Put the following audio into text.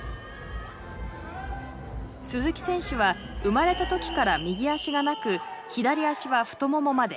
鈴木選手は生まれた時から右足がなく左足は太ももまで。